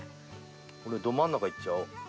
俺ど真ん中いっちゃおう。